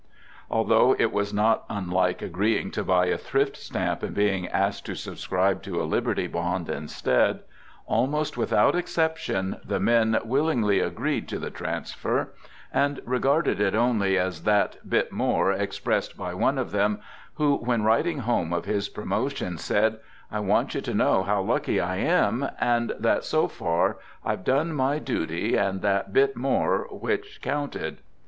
Although it was not unlike agreeing to buy a Thrift Stamp and being asked to subscribe to a Lib erty Bond instead, almost without exception, the THE GOOD SOLDIER" 115 men willingly agreed to the transfer, and regarded it only as that " bit more," expressed by one of them who, when writing home of his promotion, said: " I want you to know how lucky I am and that so far I've done my duty and that bit more which counted."